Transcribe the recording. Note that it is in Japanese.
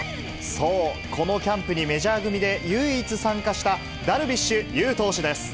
そう、このキャンプにメジャー組で唯一参加したダルビッシュ有投手です。